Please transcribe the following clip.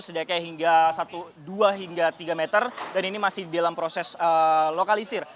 sedikitnya hingga dua hingga tiga meter dan ini masih dalam proses lokalisir